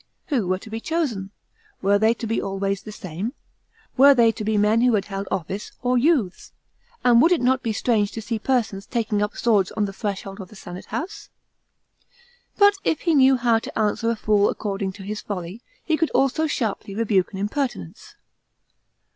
WTho were to be chosen? Were they to be always the same? Were they to be men who had held office, or youths ? And would it not be strange to see persons taking up swords on the threshold of the senate house ? But if he knew how to answer a fool according to his folly, he could also sharply rebuke an impertinence.